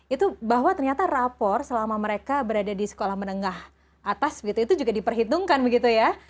itu bahwa ternyata rapor selama mereka berada di sekolah menengah atas gitu itu juga diperhitungkan begitu ya